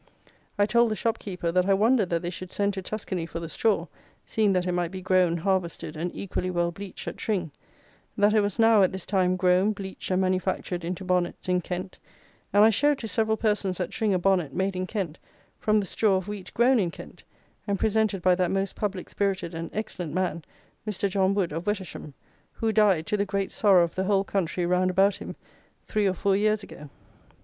I told the shopkeeper, that I wondered that they should send to Tuscany for the straw, seeing that it might be grown, harvested, and equally well bleached at Tring; that it was now, at this time, grown, bleached, and manufactured into bonnets in Kent; and I showed to several persons at Tring a bonnet, made in Kent, from the straw of wheat grown in Kent, and presented by that most public spirited and excellent man, Mr. John Wood, of Wettersham, who died, to the great sorrow of the whole country round about him, three or four years ago.